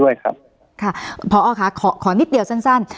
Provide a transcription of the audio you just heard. ด้วยครับค่ะพอค่ะขอขอนิดเดียวสั้นสั้น